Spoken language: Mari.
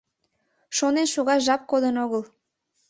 Шонен шогаш жап кодын огыл.